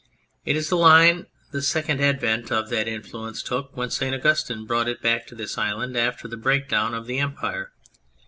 It is the line the second advent of that influence took when St. Augustine brought it back to this island after the breakdown of the Empire.